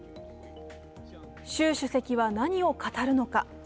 習主席は何を語るのか？